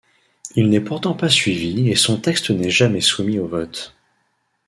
Il n'est pourtant pas suivi et son texte n'est jamais soumis au vote.